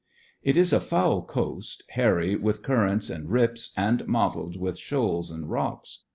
It is a foul coast, hairy with cur rents and rips, and mottled with shoals and rocks.